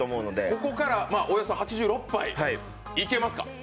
ここからおよそ８６杯、いけますか？